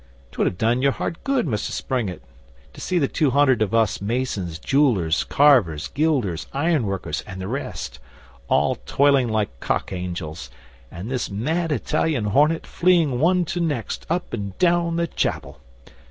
'Twould have done your heart good, Mus' Springett, to see the two hundred of us masons, jewellers, carvers, gilders, iron workers and the rest all toiling like cock angels, and this mad Italian hornet fleeing one to next up and down the chapel.